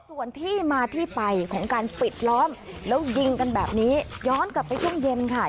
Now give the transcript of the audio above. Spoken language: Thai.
ส่วนที่มาที่ไปของการปิดล้อมแล้วยิงกันแบบนี้ย้อนกลับไปช่วงเย็นค่ะ